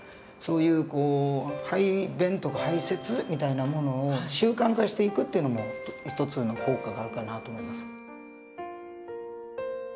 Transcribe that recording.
そういう排便とか排泄みたいなものを習慣化していくっていうのも一つの効果があるかなと思います。